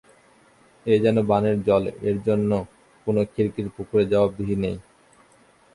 এ যেন বানের জল, এর জন্যে কোনো খিড়কির পুকুরের জবাবদিহি নেই।